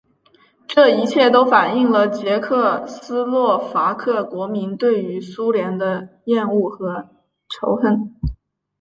这一切都反映了捷克斯洛伐克国民对于苏联的厌恶和仇恨。